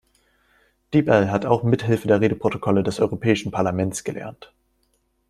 Deep-L hat auch mithilfe der Redeprotokolle des europäischen Parlaments gelernt.